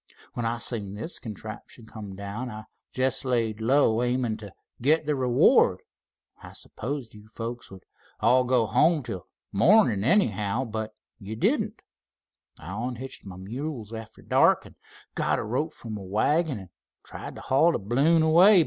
When I seen this contraption come down, I just laid low, aimin' t' git th' reward. I s'posed you folks would all go home until mornin' anyhow. But ye didn't. I onhitched my mules arter dark, an' got a rope from my wagon, an' tried t' haul th' balloon away.